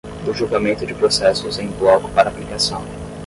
o julgamento de processos em bloco para aplicação